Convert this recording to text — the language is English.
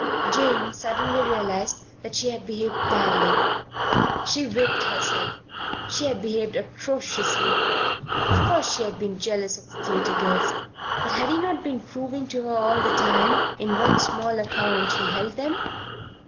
Jane suddenly realized that she had behaved badly. She whipped herself. She had behaved atrociously. Of course she had been jealous of the theatre girls; but had he not been proving to her all the time in what small account he held them?